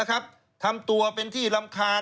นะครับทำตัวเป็นที่รำคาญ